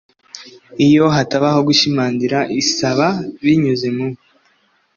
iyo hatabayeho gushimangira isaba binyuze mu